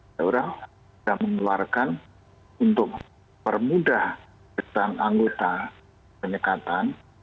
kita mengeluarkan untuk permudah pesan anggota penyekatan